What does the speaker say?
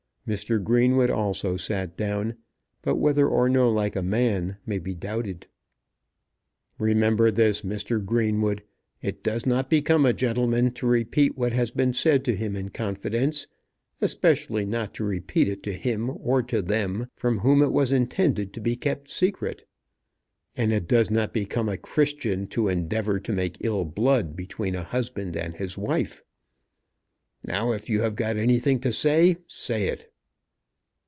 Mr. Greenwood also sat down, but whether or no like a man may be doubted. "Remember this, Mr. Greenwood, it does not become a gentleman to repeat what has been said to him in confidence, especially not to repeat it to him or to them from whom it was intended to be kept secret. And it does not become a Christian to endeavour to make ill blood between a husband and his wife. Now, if you have got anything to say, say it."